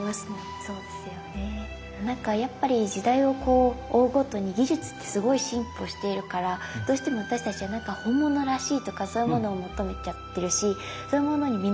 なんかやっぱり時代を追うごとに技術ってすごい進歩しているからどうしても私たちは本物らしいとかそういうものを求めちゃってるしそういうものに見